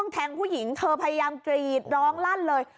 แทงผู้หญิงเธอพยายามกรีดร้องลั่นเลย